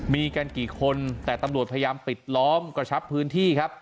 มีกันกี่คนแต่ตำรวจพยายามปิดล้อมกระชับพื้นที่ครับ